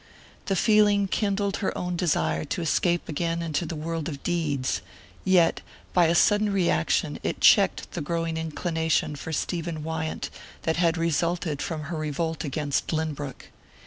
The feeling kindled her own desire to escape again into the world of deeds, yet by a sudden reaction it checked the growing inclination for Stephen Wyant that had resulted from her revolt against Lynbrook.